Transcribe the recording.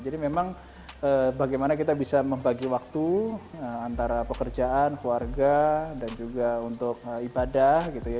jadi memang bagaimana kita bisa membagi waktu antara pekerjaan keluarga dan juga untuk ibadah gitu ya